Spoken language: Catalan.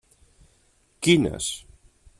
Quines?